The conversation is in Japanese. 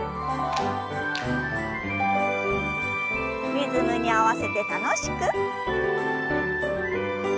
リズムに合わせて楽しく。